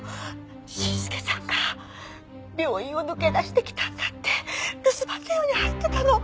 伸介さんが病院を抜け出してきたんだって留守番電話に入ってたの。